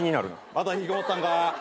また引きこもったんか？